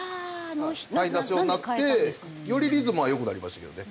サイン出すようになってよりリズムは良くなりましたけどね。